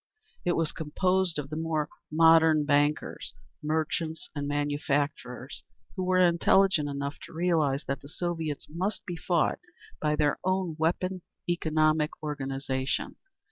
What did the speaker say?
It was composed of the more "modern" bankers, merchants and manufacturers, who were intelligent enough to realise that the Soviets must be fought by their own weapon—economic organisation.